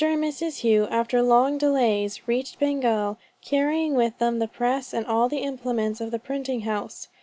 and Mrs. Hough, after long delays, reached Bengal, carrying with them the press and all the implements of the printing house.